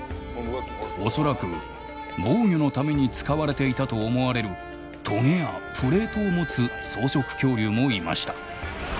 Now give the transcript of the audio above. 恐らく防御のために使われていたと思われるトゲやプレートを持つ草食恐竜もいました。